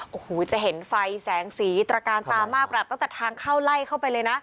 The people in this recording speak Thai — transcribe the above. โอ้โหจะเห็นไฟแสงสีตระการตามากระดับตั้งแต่ทางเข้าไล่เข้าไปเลยนะ